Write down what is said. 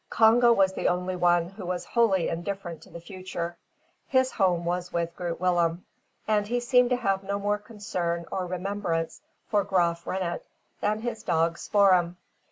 Congo was the only one who was wholly indifferent to the future. His home was with Groot Willem, and he seemed to have no more concern or remembrance for Graaf Reinet than his dog Spoor'em.